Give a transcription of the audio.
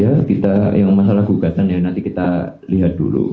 ya kita yang masalah gugatan ya nanti kita lihat dulu